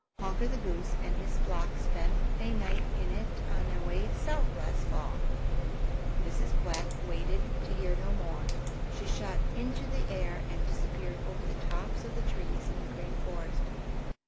Honker the Goose and his flock spent a night in it on their way south last fall." Mrs. Quack waited to hear no more. She shot up into the air and disappeared over the tops of the trees in the Green Forest.